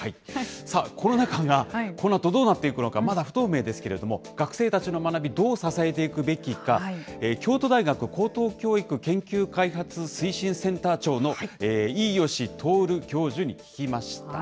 コロナ禍がこのあとどうなっていくのか、まだ不透明ですけれども、学生たちの学び、どう支えていくべきか、京都大学高等教育研究開発推進センター長の飯吉透教授に聞きました。